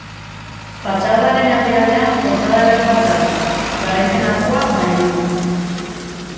Fatxadaren erdialdean portada eder bat dago, garaipen-arkua bailitzan.